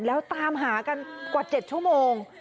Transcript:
แล้วตามหากันกว่า๗ชั่วโมง